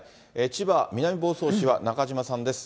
千葉・南房総市は中島さんです。